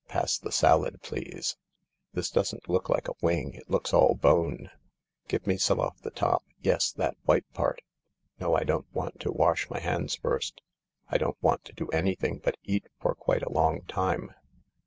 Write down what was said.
Pass the salad, please. This doesn't look like a wing, it looks all bone ; give me some off the top— yes, that white part. No, I don't want to wash my hands first. I don't want to do anything but eat for quite a long time."